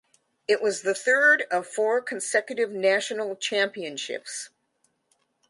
It was the third of four consecutive national championships.